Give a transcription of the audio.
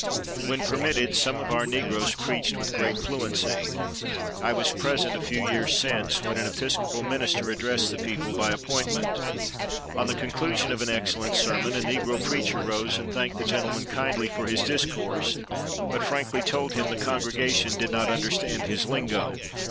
When permitted, some of our negroes preached with great fluency. I was present, a few years since, when an Episcopal minister addressed the people, by appointment. On the conclusion of an excellent sermon, a negro preacher rose and thanked the gentleman kindly for his discourse, but frankly told him the congregation "did not understand his lingo."